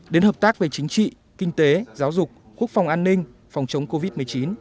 đến hợp tác về chính trị kinh tế giáo dục quốc phòng an ninh phòng chống covid một mươi chín